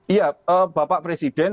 iya bapak presiden